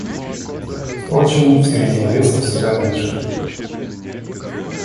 Впрочем, в середине леса всегда меньше.